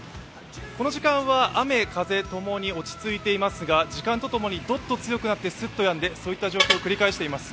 この時間は雨風ともに落ち着いていますが時間とともにどっと強くなって、スッとやんで、そういった状況を繰り返しています。